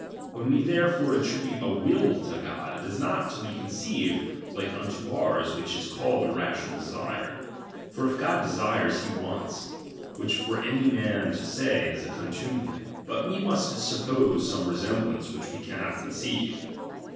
When we tlierefore attribute a will to God, it is uot to be c:<3neeived like unto ours, which is called a rational desire : (for if God desires, he wants, which for Q X3y man to say, is a contumely) ; but we must stippose some resemblance which we cannot con ceive.